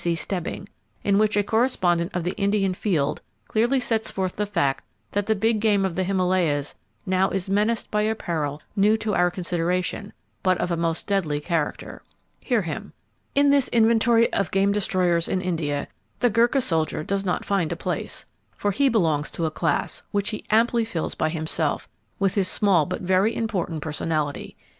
C. Stebbing, in which a correspondent of the Indian Field clearly sets forth the fact that the big game of the Himalayas now is menaced by a peril new to our consideration, but of a most deadly character. Hear him: "In this inventory (of game destroyers in India), the Gurkha soldier does not find a place, for he belongs to a class which he amply fills by himself with his small but very important personality.